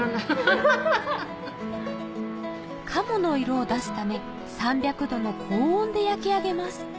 カモの色を出すため３００度の高温で焼き上げます